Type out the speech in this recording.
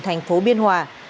tp biên hòa